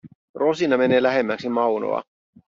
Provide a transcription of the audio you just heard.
Rosina menee lähemmäksi Maunoa.